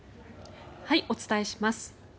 お伝えします。